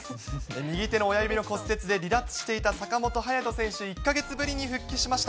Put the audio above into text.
右手の親指の骨折で、離脱していた坂本勇人選手、１か月ぶりに復帰しました。